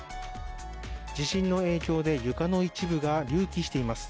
地震の影響で床の一部が隆起しています。